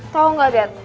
tau gak dad